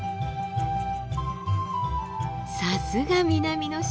さすが南の島。